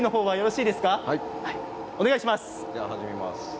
はい。